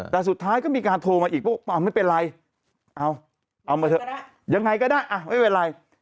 แต่สุดท้ายก็มีการโทรมาอีกว่าไม่เป็นไรเอาเอามาเถอะยังไงก็ได้ไม่เป็นไร